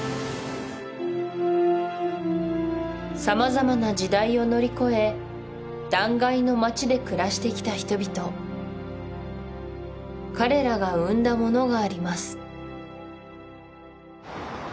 さまざまな時代を乗り越え断崖の町で暮らしてきた人々彼らが生んだものがあります